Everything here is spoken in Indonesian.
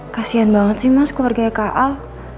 kasian banget sih mas keluarganya kak al